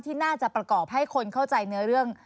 ที่น่าจะประกอบให้คนเข้าใจเนื้อเรื่อง